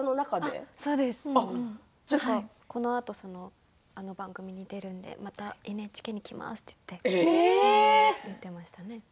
このあとあの番組に出るのでまたＮＨＫに行きますって言っていましたね。